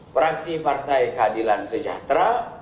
fraksi partai keadilan sejahtera